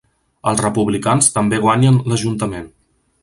Els republicans també guanyen l'Ajuntament.